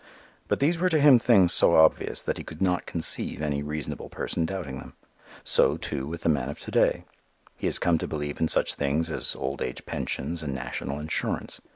But these were to him things so obvious that he could not conceive any reasonable person doubting them. So, too, with the man of to day. He has come to believe in such things as old age pensions and national insurance.